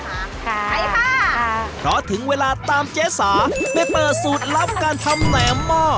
ไปค่ะเพราะถึงเวลาตามเจ๊สาไปเปิดสูตรลับการทำแหนมหม้อ